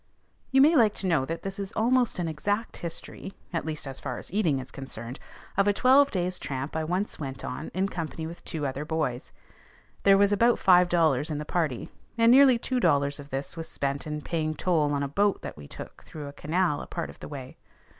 You may like to know that this is almost an exact history, at least as far as eating is concerned, of a twelve days' tramp I once went on in company with two other boys. There was about five dollars in the party, and nearly two dollars of this was spent in paying toll on a boat that we took through a canal a part of the way.